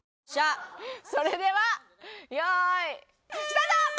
それでは用意スタート！